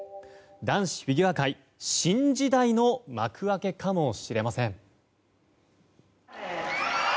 男子フィギュア界新時代の幕開けかもしれません。